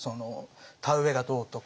田植えがどうとか。